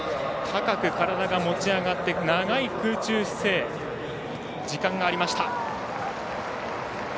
高く体が持ち上がって長い空中姿勢、時間がありました。